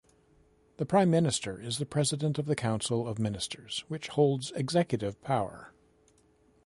The Prime Minister is the President of the Council of Ministers-which holds executive power.